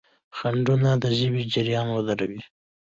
خنډونه د ژبې جریان ودروي.